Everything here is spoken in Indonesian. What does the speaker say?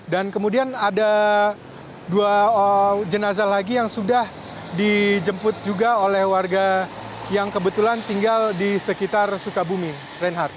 dan kemudian ada dua jenazah lagi yang sudah dijemput juga oleh warga yang kebetulan tinggal di sekitar sukabumi reinhardt